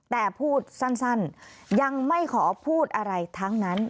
แต่พูดสั้นยังไม่ขอพูดอะไรทั้งนั้น